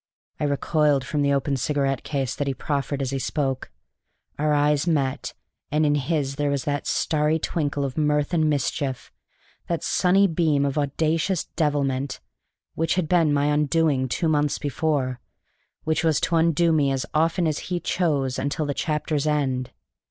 I recoiled from the open cigarette case that he proffered as he spoke. Our eyes met; and in his there was that starry twinkle of mirth and mischief, that sunny beam of audacious devilment, which had been my undoing two months before, which was to undo me as often as he chose until the chapter's end.